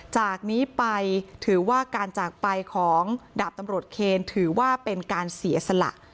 จากนี้ไปถือว่าการจากไปของดาบตำรวจเคนถือว่าเป็นการเสียสละ